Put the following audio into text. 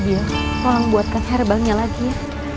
cedio tolong buatkan herbalnya lagi ya